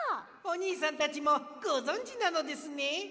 おにいさんたちもごぞんじなのですね。